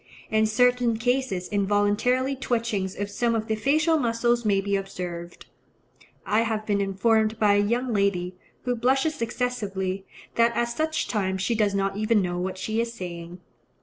In certain cases involuntary twitchings of some of the facial muscles may be observed. I have been informed by a young lady, who blushes excessively, that at such times she does not even know what she is saying.